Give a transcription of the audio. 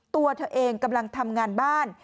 ตัวเธอเองกำลังทำงานบ้าน